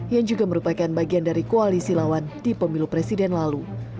yang juga merupakan bagian dari koalisi lawan di pemilu presiden lalu